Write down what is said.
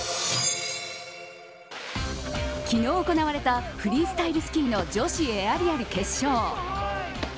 昨日行われたフリースタイルスキーの女子エアリアル決勝。